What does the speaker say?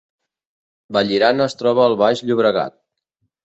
Vallirana es troba al Baix Llobregat